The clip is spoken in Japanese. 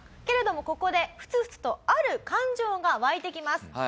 けれどもここでふつふつとある感情が湧いてきます。